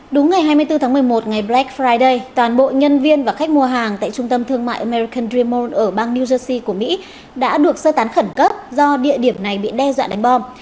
đúng ngày hai mươi bốn tháng một mươi một ngày black friday toàn bộ nhân viên và khách mua hàng tại trung tâm thương mại american dream mall ở bang new jersey của mỹ đã được sơ tán khẩn cấp do địa điểm này bị đe dọa đánh bom